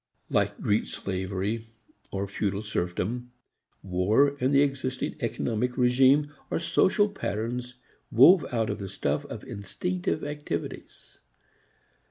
Like Greek slavery or feudal serfdom, war and the existing economic regime are social patterns woven out of the stuff of instinctive activities.